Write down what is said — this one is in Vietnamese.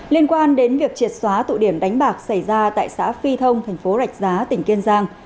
liên quan đến việc triệt xóa tụ điểm đánh bạc xảy ra tại xã phi thông thành phố rạch giá tỉnh kiên giang